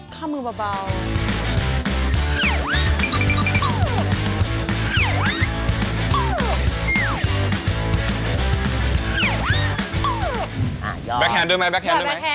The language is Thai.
ห้ามต่ำกว่าสดือไม่ติด